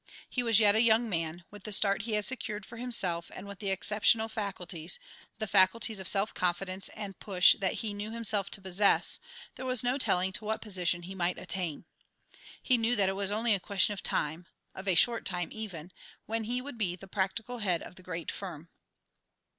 He was yet a young man; with the start he had secured for himself, and with the exceptional faculties, the faculties of self confidence and "push" that he knew himself to possess, there was no telling to what position he might attain. He knew that it was only a question of time of a short time even when he would be the practical head of the great firm.